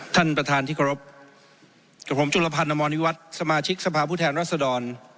ท่านประธานที่เคารพกับผมจุลพันธ์อมรวิวัฒน์สมาชิกสภาพผู้แทนรัศดร